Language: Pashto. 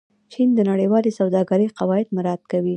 چین د نړیوالې سوداګرۍ قواعد مراعت کوي.